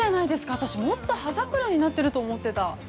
私、もっと葉桜になってると思ってた。